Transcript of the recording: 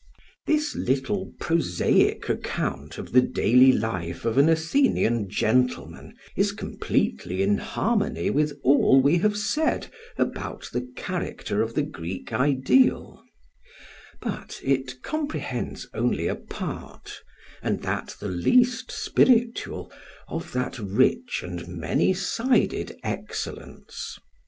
This little prosaic account of the daily life of an Athenian gentleman is completely in harmony with all we have said about the character of the Greek ideal; but it comprehends only a part, and that the least spiritual, of that rich and many sided excellence.